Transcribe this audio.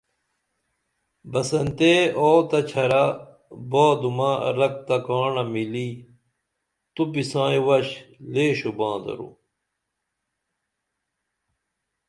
بسنتے آو تہ ڇھرہ بادمہ رک تہ کانڑہ مِلی توپی سائیں وݜیں لے شوباں درو